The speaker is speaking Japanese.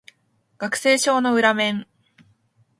学生証の裏面